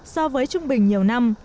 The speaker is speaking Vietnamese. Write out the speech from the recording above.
so với trung bình nhiều năm